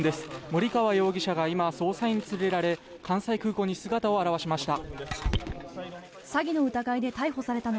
森川容疑者が今、捜査員に連れられ関西空港に姿を現しました。